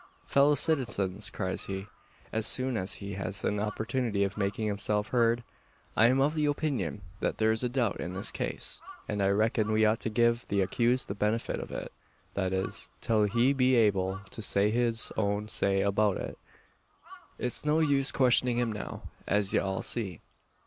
"Fellow citizens!" cries he, as soon as he has an opportunity of making himself heard, "I'm of the opinion, that there's a doubt in this case; and I reckon we ought to give the accused the benefit of it that is, till he be able to say his own say about it. It's no use questioning him now, as ye all see.